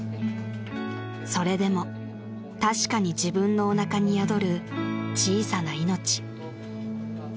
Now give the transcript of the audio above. ［それでも確かに自分のおなかに宿る小さな命］